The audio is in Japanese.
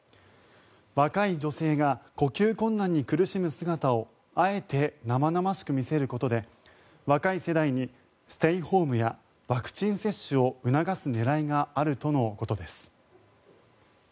若い女性が呼吸困難に苦しむ姿をあえて生々しく見せることで若い世代にステイホームやワクチン接種を促す狙いがあるとのことです。